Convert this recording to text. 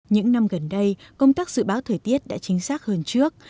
những năm gần đây công tác dự báo thời tiết đã chính xác hơn trước